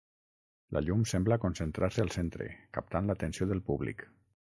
La llum sembla concentrar-se al centre, captant l'atenció del públic.